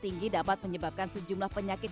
tinggi dapat menyebabkan sejumlah penyakit